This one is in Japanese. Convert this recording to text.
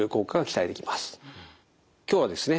今日はですね